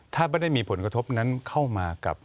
ถ้าไม่ได้มีผลกระทบนั้นเข้ามากับ